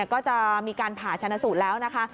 ก็จะมีการผ่าชนะสูตรแล้วนะคะ